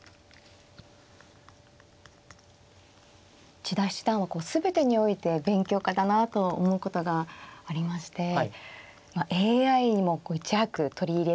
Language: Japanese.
千田七段は全てにおいて勉強家だなと思うことがありましてＡＩにもいち早く取り入れて。